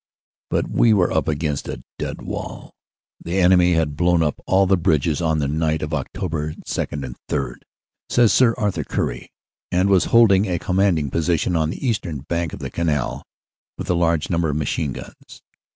But we were up against a dead wall. "The enemy had blown up all the bridges on the night of Oct. 2 3," says Sir Arthur Currie, "and was holding a commanding position on the eastern bank of the Canal with a large number of machine guns.